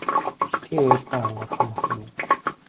Битгий уйл даа хонгорхон охин минь.